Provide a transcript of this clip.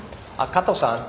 加藤さん。